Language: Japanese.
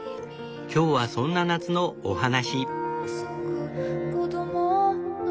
今日はそんな夏のお話。